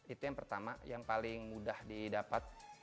itu yang pertama yang paling mudah didapat